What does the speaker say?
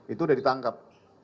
itu sudah ditangkap